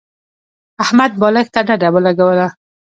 احمد بالښت ته ډډه ولګوله.